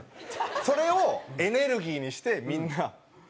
それをエネルギーにしてみんな頑張ってて。